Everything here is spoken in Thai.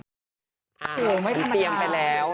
ไม่ต้องแบบนี้ค่ะต้องเตรียมไปแล้ว